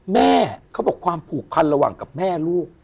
แม่เขาบอกความผูกพันระหว่างกับแม่ลูก